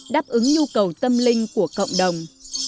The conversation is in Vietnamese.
đáp ứng nhu cầu tâm linh của cộng đồng